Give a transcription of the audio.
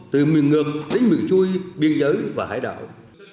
từ miền ngược đến miền xuôi biên giới và hải đảo